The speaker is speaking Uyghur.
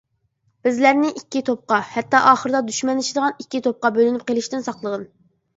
بىزلەرنى ئىككى توپقا ھەتتا ئاخىردا دۈشمەنلىشىدىغان ئىككى توپقا بۆلۈنۈپ قېلىشتىن ساقلىغىن.